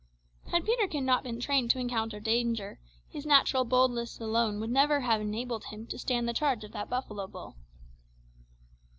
Had Peterkin not been trained to encounter danger, his natural boldness alone would never have enabled him to stand the charge of that buffalo bull.